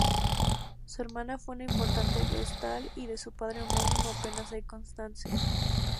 Su hermana fue una importante vestal y de su padre homónimo apenas hay constancia.